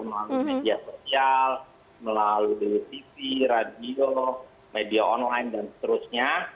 melalui media sosial melalui tv radio media online dan seterusnya